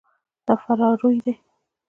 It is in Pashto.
دا فراروی ده.